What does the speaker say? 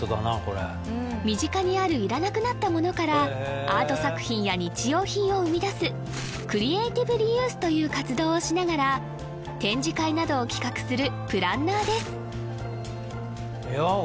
身近にあるいらなくなったものからアート作品や日用品を生み出すクリエイティブリユースという活動をしながら展示会などを企画するプランナーですいや